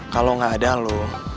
kalau gak ada lo